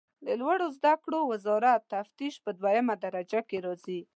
د لوړو زده کړو وزارت نقش په دویمه درجه کې راځي.